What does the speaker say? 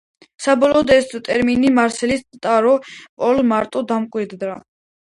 საბოლოოდ ეს ტერმინი „მარსელის ტარო“ პოლ მარტომ დაამკვიდრა.